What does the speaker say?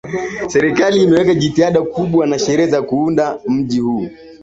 Serikali imeweka jitihada kubwa na sheria za kuulinda mjii huu